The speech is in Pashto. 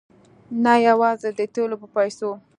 نه یوازې د تېلو په پیسو.